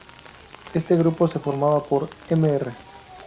Este grupo se formaba por Mr.